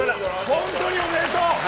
本当におめでとう。